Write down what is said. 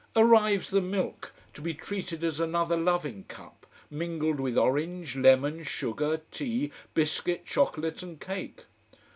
Arrives the milk, to be treated as another loving cup, mingled with orange, lemon, sugar, tea, biscuit, chocolate, and cake.